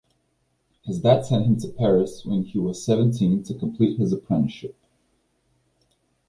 His dad sent him to Paris when he was seventeen to complete his apprenticeship.